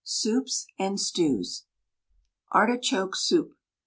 SOUPS AND STEWS ARTICHOKE SOUP.